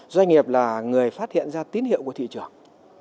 doanh nghiệp là người phát hiện ra tín hiệu của thị trường